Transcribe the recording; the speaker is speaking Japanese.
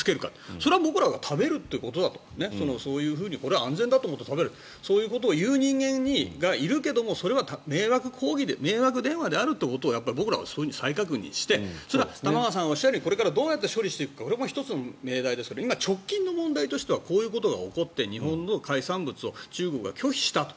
それは食べるそういうふうに安全だと思って食べるそういう人間がいるけどそれは迷惑電話であることを僕らは再確認して玉川さんがおっしゃるようにどうやって処理していくかそれも１つの命題ですが今、直近の問題としてはこういうことが起こって日本の海産物を中国が拒否したと。